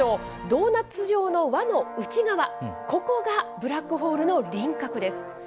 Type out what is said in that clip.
ドーナツ状の輪の内側、ここがブラックホールの輪郭です。